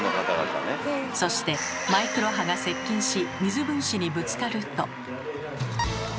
そしてマイクロ波が接近し水分子にぶつかると。